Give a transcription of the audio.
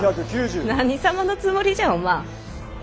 何様のつもりじゃお万。